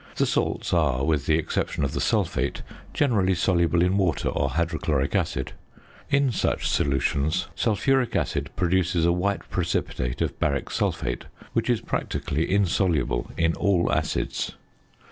The salts are, with the exception of the sulphate, generally soluble in water or hydrochloric acid. In such solutions sulphuric acid produces a white precipitate of baric sulphate, which is practically insoluble in all acids.